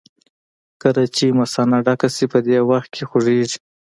کله چې مثانه ډکه شي په دې وخت کې خوږېږي.